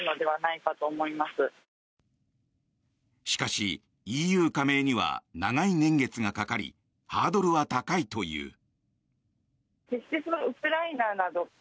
しかし、ＥＵ加盟には長い年月がかかりハードルは高いという。